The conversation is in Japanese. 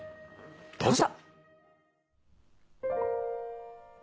どうぞ。